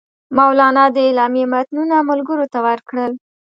مولنا د اعلامیې متنونه ملګرو ته ورکړل.